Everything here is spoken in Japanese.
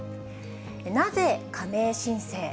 なぜ加盟申請？